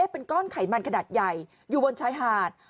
เป็นก้อนไขมันขนาดใหญ่อยู่บนชายหาด